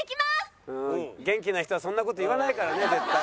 元気な人はそんな事言わないからね絶対。